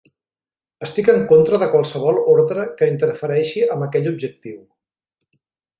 Estic en contra de qualsevol ordre que interfereixi amb aquell objectiu.